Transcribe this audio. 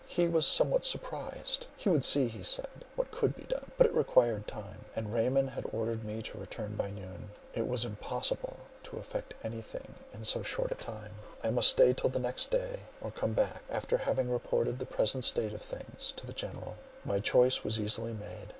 He was somewhat surprised; he would see, he said, what could be done; but it required time; and Raymond had ordered me to return by noon. It was impossible to effect any thing in so short a time. I must stay till the next day; or come back, after having reported the present state of things to the general. My choice was easily made.